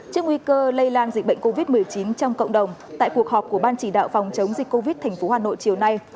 trước nguy cơ lây lan dịch bệnh covid một mươi chín trong cộng đồng tại cuộc họp của ban chỉ đạo phòng chống dịch covid tp hà nội chiều nay